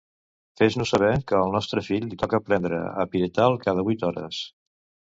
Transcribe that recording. Fes-nos saber que al nostre fill li toca prendre Apiretal cada vuit hores.